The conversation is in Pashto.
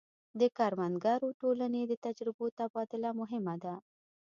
د کروندګرو ټولنې د تجربو تبادله مهمه ده.